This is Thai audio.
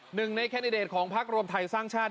หนึ่งในแคนดเรตของพระกรุ่นทัยสร้างชาติ